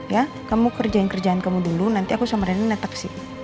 ya kamu kerjain kerjaan kamu dulu nanti aku sama reni netek sih